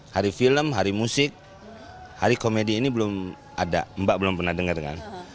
hari film hari musik hari komedi ini belum ada mbak belum pernah dengar kan